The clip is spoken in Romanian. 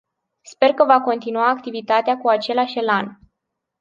Sper că va continua activitatea cu același elan.